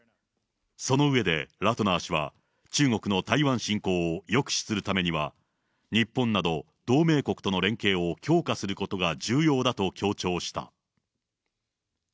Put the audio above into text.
その上で、ラトナー氏は、中国の台湾侵攻を抑止するためには、日本など、同盟国との連携を強化することが重要だと強調した。